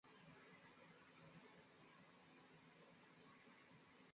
ndiyo yanayoyafanya gharama zao ziwe za juu